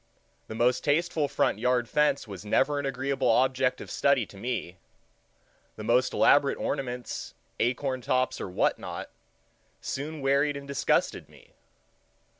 The most tasteful front yard fence was never an agreeable object of study to me; the most elaborate ornaments, acorn tops, or what not, soon wearied and disgusted me.